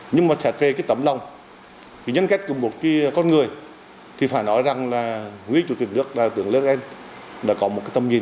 nhưng mà sẽ về cái tấm lòng thì nhân kết cùng một con người thì phải nói rằng là quý chủ tướng nước là tướng lý đức anh là có một tầm nhìn